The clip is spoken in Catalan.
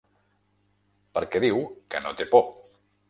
Perquè diu que no té por.